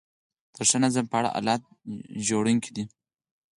د ښه نظم په اړه حالت ژړونکی دی.